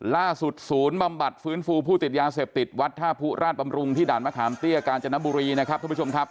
ล่าสุดศูนย์บำบัดฟื้นฟูผู้ติดยาเสพติดวัดท่าผู้ราชบำรุงที่ด่านมะขามเตี้ยกาญจนบุรีนะครับทุกผู้ชมครับ